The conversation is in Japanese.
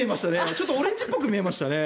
ちょっとオレンジっぽく見えましたね。